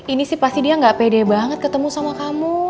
ini sih pasti dia gak pede banget ketemu sama kamu